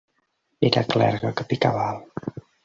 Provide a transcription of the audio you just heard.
Era clergue que picava alt.